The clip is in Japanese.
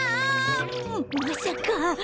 まさか。